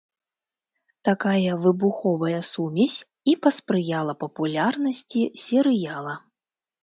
Такая выбуховая сумесь і паспрыяла папулярнасці серыяла.